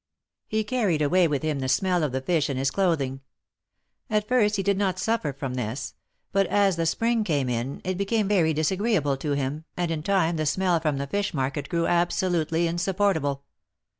He carried away with him the smell of the fish in his clothing. At first he did not suffer from this ; but, as the Spring came in, it became very disagreeable to him, and in time the smell from the fish market grew absolutely insupportable.